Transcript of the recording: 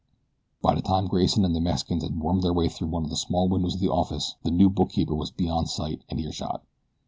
By the time Grayson and the Mexicans had wormed their way through one of the small windows of the office the new bookkeeper was beyond sight and earshot.